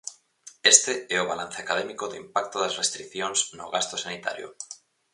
Este é o balance académico do impacto das restricións no gasto sanitario.